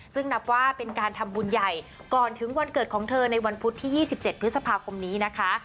ซึ่งนับว่าเป็นการทำบุญใหญ่ก่อนถึงวันเกิดของเธอในวันพุธที่๒๗พฤษภาคมนี้นะคะ